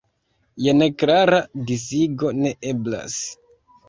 Jen klara disigo ne eblas.